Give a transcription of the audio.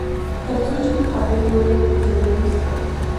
تر څو چې مقابل لوری کمزوری نشي.